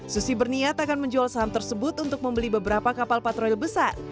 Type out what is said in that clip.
susi berniat akan menjual saham tersebut untuk membeli beberapa kapal patroli besar